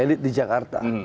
elit di jakarta